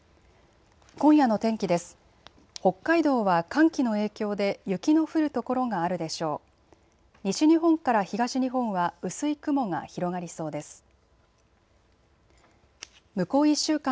今夜の天気です。